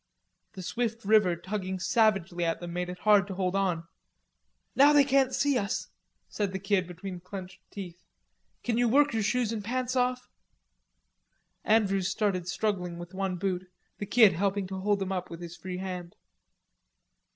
The swift river tugging savagely at them made it hard to hold on. "Now they can't see us," said the Kid between clenched teeth. "Can you work your shoes an' pants off?"' Andrews started struggling with one boot, the Kid helping to hold him up with his free hand.